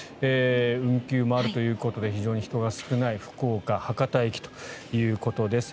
運休もあるということで非常に人が少ない福岡・博多駅ということです。